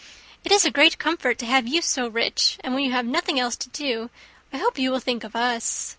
It is a great comfort to have you so rich; and when you have nothing else to do, I hope you will think of us.